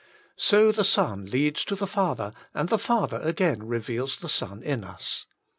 So the Son leads to the Father and the Father again re veals the Son in us.